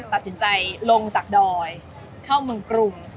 ตัดสินใจลงจากดอยเข้าเมืองกรุง